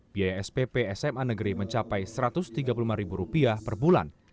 biaya spp sma negeri mencapai rp satu ratus tiga puluh lima per bulan